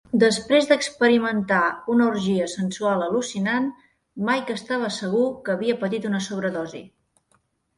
Després d'experimentar una orgia sensual al·lucinant, Mike estava segur que havia patit una sobredosi.